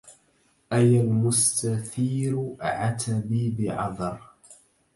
أيها المستثير عتبي بعذر